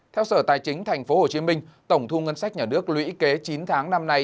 theo sở tài chính tp hcm tổng thu ngân sách nhà nước lũy kế chín tháng năm nay